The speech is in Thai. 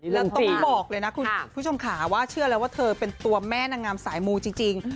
แล้วต้องบอกเลยนะคุณผู้ชมค่ะว่าเชื่อแล้วว่าเธอเป็นตัวแม่นางงามสายมูจริง